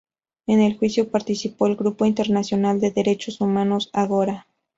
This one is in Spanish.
En el juicio participó el grupo internacional de derechos humanos Agora.